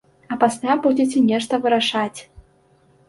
А пасля будзеце нешта вырашаць!